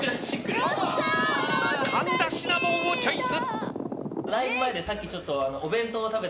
神田シナボンをチョイス！